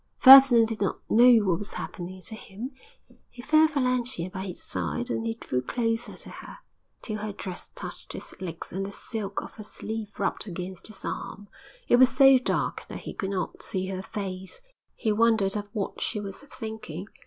Ferdinand did not know what was happening to him; he felt Valentia by his side, and he drew closer to her, till her dress touched his legs and the silk of her sleeve rubbed against his arm. It was so dark that he could not see her face; he wondered of what she was thinking.